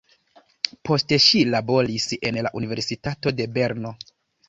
Poste ŝi laboris en la universitato de Berno.